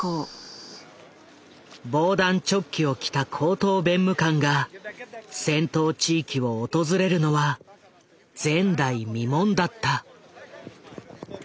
防弾チョッキを着た高等弁務官が戦闘地域を訪れるのは前代未聞だった。